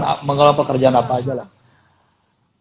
kita mengelola pekerjaan apa aja lah